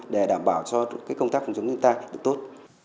để đảm bảo cho công tác phòng chống dân ta được tốt